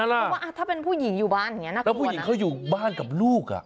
เพราะว่าถ้าเป็นผู้หญิงอยู่บ้านอย่างนี้นะคะแล้วผู้หญิงเขาอยู่บ้านกับลูกอ่ะ